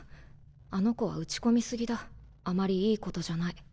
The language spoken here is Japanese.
あの子は打ち込み過ぎだあまりいいことじゃない。